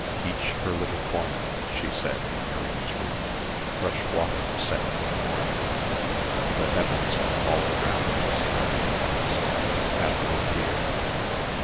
"Each her little corner," she said in Miriam's room, "fresh water set for the morning. The heavens are all round us, my little ones; have no fear."